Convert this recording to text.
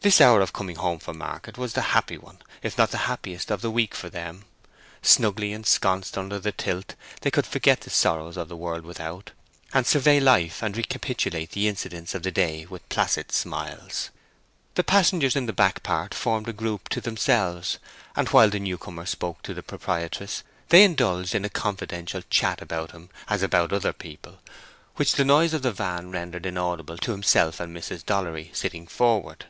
This hour of coming home from market was the happy one, if not the happiest, of the week for them. Snugly ensconced under the tilt, they could forget the sorrows of the world without, and survey life and recapitulate the incidents of the day with placid smiles. The passengers in the back part formed a group to themselves, and while the new comer spoke to the proprietress, they indulged in a confidential chat about him as about other people, which the noise of the van rendered inaudible to himself and Mrs. Dollery, sitting forward.